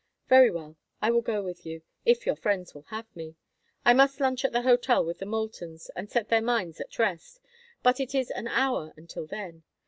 Very well, I will go with you, if your friends will have me. I must lunch at the hotel with the Moultons and set their minds at rest; but it is an hour until then.